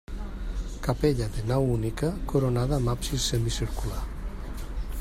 Capella de nau única coronada amb absis semicircular.